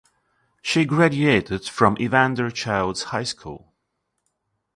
She graduated from Evander Childs High School.